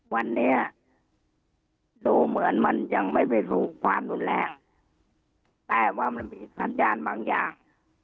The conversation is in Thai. วันนี้ดูเหมือนมันยังไม่ไปรู้ความรุนแรงแต่ว่ามันมีสัญญาณบางอย่าง